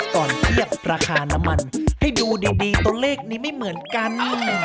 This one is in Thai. ก่อนเทียบราคาน้ำมันให้ดูดีตัวเลขนี้ไม่เหมือนกัน